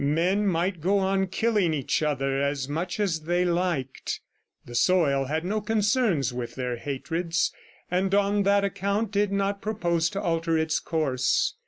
Men might go on killing each other as much as they liked; the soil had no concern with their hatreds, and on that account, did not propose to alter its course.